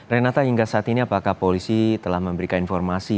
renata hingga saat ini apakah polisi telah memberikan informasi